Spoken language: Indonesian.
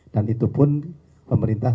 dan itu pun pemerintah